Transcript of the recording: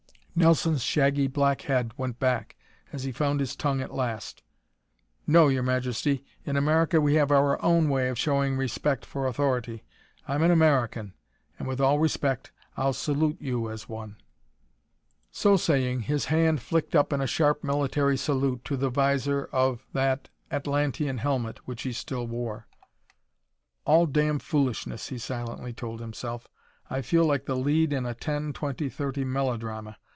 Nelson's shaggy black head went back as he found his tongue at last. "No, Your Majesty. In America we have our own way of showing respect for authority. I'm an American and, with all respect, I'll salute you as one." So saying, his hand flicked up in a sharp military salute to the visor of that Atlantean helmet which he still wore. "All damn foolishness," he silently told himself. "I feel like the lead in a ten, twenty, thirty melodrama.